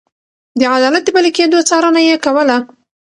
د عدالت د پلي کېدو څارنه يې کوله.